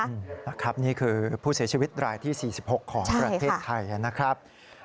นะครับนี่คือผู้เสียชีวิตรายที่๔๖ของประเทศไทยนะครับ